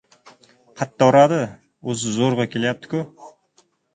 — Qatta uradi! O‘zi zo‘rg‘a kelyapti-ku.